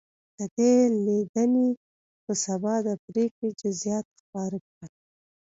د دې لیدنې په سبا د پرېکړې جزییات خپاره کړل.